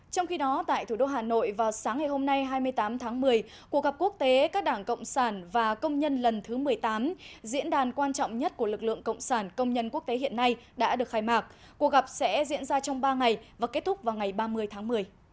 trong khi đó tại thủ đô hà nội vào sáng ngày hôm nay hai mươi tám tháng một mươi cuộc gặp quốc tế các đảng cộng sản và công nhân lần thứ một mươi tám diễn đàn quan trọng nhất của lực lượng cộng sản công nhân quốc tế hiện nay đã được khai mạc cuộc gặp sẽ diễn ra trong ba ngày và kết thúc vào ngày ba mươi tháng một mươi